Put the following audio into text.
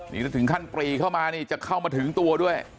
นี่ถ้าถึงขั้นปรีเข้ามานี่จะเข้ามาถึงตัวด้วย